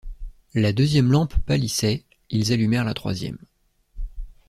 La deuxième lampe pâlissait, ils allumèrent la troisième.